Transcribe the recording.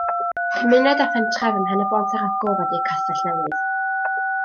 Cymuned a phentref ym Mhen-y-bont ar Ogwr ydy Y Castellnewydd.